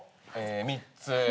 ３つ。